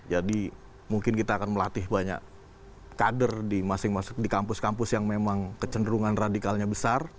jadi mungkin kita akan melatih banyak kader di masing masing kampus kampus yang memang kecenderungan radikalnya besar